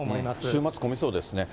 週末、混みそうですね。